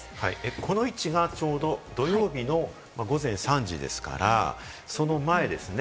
この位置がちょうど土曜日の午前３時ですから、その前ですね。